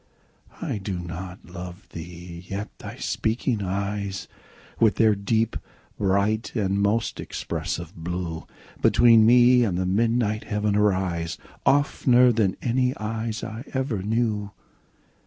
I do not love thee!—yet thy speaking eyes, With their deep, bright, and most expressive blue, Between me and the midnight heaven arise, 15 Oftener than any eyes I ever knew.